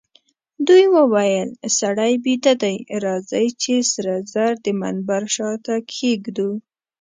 دوی وویل: سړی بیده دئ، راځئ چي سره زر د منبر شاته کښېږدو.